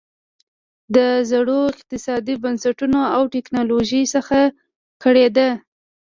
د زړو اقتصادي بنسټونو او ټکنالوژۍ څخه کړېده.